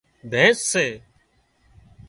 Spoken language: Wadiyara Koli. ڀيينش سي